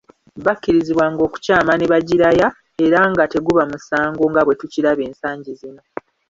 Bakkirizibwanga okukyama ne bagiraya era nga teguba musango nga bwe tukiraba ensangi zino.